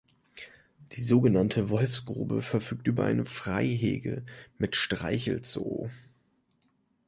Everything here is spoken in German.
Die sogenannte "Wolfsgrube" verfügt über ein Freigehege mit Streichelzoo.